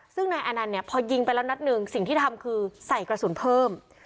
ซึ่งนายอานันต์เนี่ยพอยิงไปแล้วนัดหนึ่งสิ่งที่ทำคือใส่กระสุนเพิ่ม